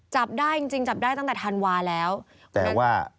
จับได้จริงจับได้ตั้งแต่ธันวาล์แล้ว